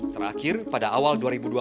terakhir pada awal dua ribu dua puluh